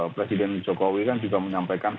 presiden jokowi kan juga menyampaikan